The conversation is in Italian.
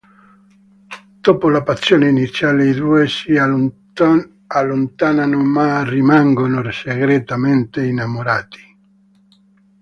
Dopo la passione iniziale i due si allontanano ma rimangono segretamente innamorati.